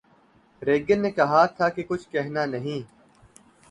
Reagan نے کہا تھا کہ کچھ کہنا نہیں